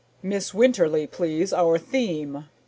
"Miss Winterly, please our theme."